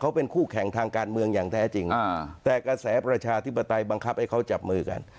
เขาเป็นคู่แข่งทางการเมืองอย่างแท้จริงแต่กระแสประชาธิปไตยบังคับให้เขาจับมือกัน